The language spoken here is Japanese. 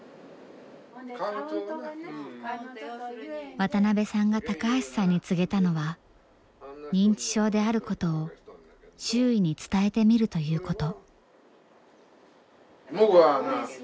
渡邊さんが高橋さんに告げたのは認知症であることを周囲に伝えてみるということ。